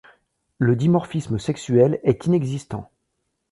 Le dimorphisme sexuel est inexistant.